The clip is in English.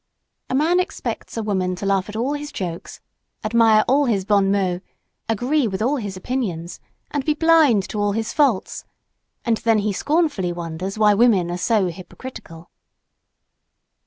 A man expects a woman to laugh at all his jokes, admire all his bon mots, agree with all his opinions, and be blind to all his faults and then he scornfully wonders why women are so "hypocritical."